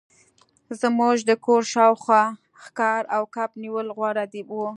زموږ د کور شاوخوا ښکار او کب نیول غوره وو